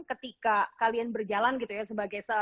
ketika kalian berjalan gitu ya sebagai